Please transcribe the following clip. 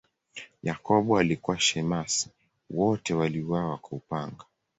Yakobo alikuwa shemasi, wote waliuawa kwa upanga.